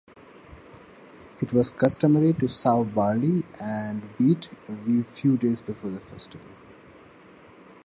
It was customary to sow barley and wheat a few days before the festival.